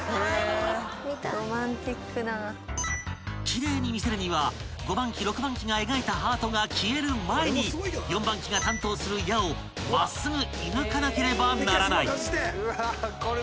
［奇麗に見せるには５番機６番機が描いたハートが消える前に４番機が担当する矢を真っすぐ射抜かなければならない］